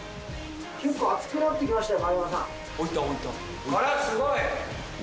結構あつくなってきましたよ。